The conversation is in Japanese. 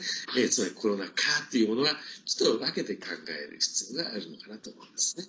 つまり、コロナ禍というものはちょっと分けて考える必要があるのかなと思いますね。